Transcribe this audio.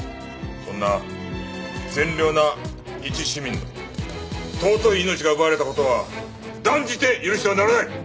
そんな善良な一市民の尊い命が奪われた事は断じて許してはならない！